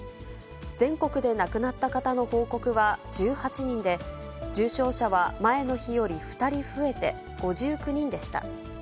全国で亡くなった方の報告は１８人で、重症者は前の日より２人増えて５９人でした。